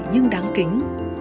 nhưng đáng kính